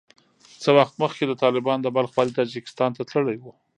څه وخت مخکې د طالبانو د بلخ والي تاجکستان ته تللی وو